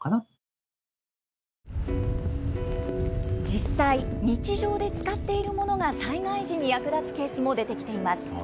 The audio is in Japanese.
実際、日常で使っているものが災害時に役立つケースも出てきています。